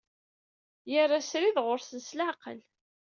Yerra srid ɣur-sen s leɛqel.